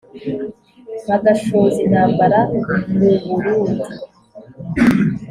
bagashoza intambara m' uburundi